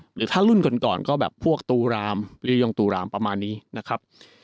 หรือถ้ารุ่นก่อนก่อนก็แบบพวกตูรามหรือย่องตูรามประมาณนี้นะครับ